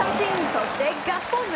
そしてガッツポーズ！